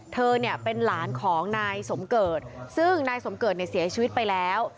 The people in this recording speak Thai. เธอเนี่ยเป็นหลานของนายสมเกิดซึ่งนายสมเกิดเนี่ยเสียชีวิตไปแล้ว